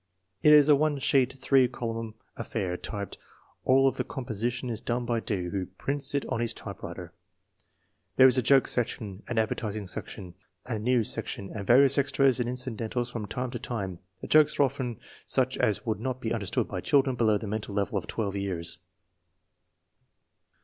It is a one sheet, three column affair, typed. All of the composition is done by D. who " prints " it on his typewriter. There is a joke section, an advertising section, a news sec tion, and various extras and incidentals from time to time. The jokes are often such as would not be un derstood by children below the mental level of twelve years.